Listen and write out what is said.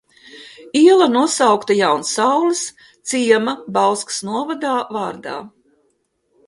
Iela nosaukta Jaunsaules – ciema Bauskas novadā – vārdā.